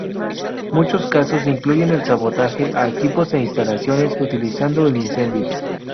Muchos casos incluyen el sabotaje a equipos e instalaciones utilizando el incendio.